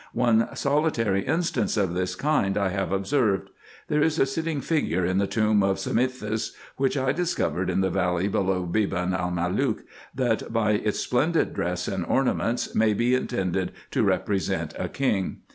One solitary instance of this kind I have observed. There is a sitting figure in the tomb of Samethis, which I discovered in the valley below Beban el Malook, that, by its splendid dress and ornaments, may be intended to represent a king.